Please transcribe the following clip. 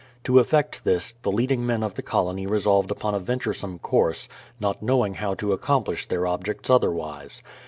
To effect this, the leading men of the col ony resolved upon a venturesome course, not knowing how to accomplish their objects otherwise.